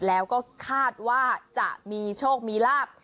แล้วก็คาดว่าจะมีโชคมีลาบ